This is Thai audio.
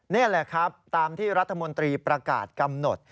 นี่แหละครับตามที่รัฐมนตรีประกาศกำหนด